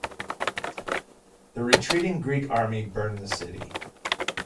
The retreating Greek army burned the city.